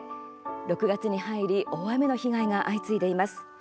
６月に入り大雨の被害が相次いでいます。